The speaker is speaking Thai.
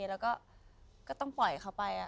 เราก็ต้องปล่อยเขาไปอะ